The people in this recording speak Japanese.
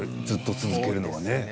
ずっと続けるのはね。